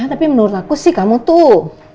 tapi menurut aku sih kamu tuh